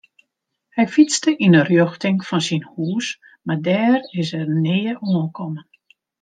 Hy fytste yn 'e rjochting fan syn hús mar dêr is er nea oankommen.